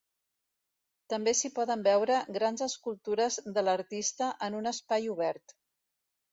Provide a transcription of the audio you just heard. També s’hi poden veure grans escultures de l’artista en un espai obert.